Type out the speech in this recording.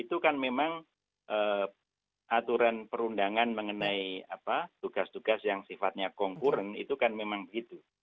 itu kan memang aturan perundangan mengenai tugas tugas yang sifatnya konkuren itu kan memang begitu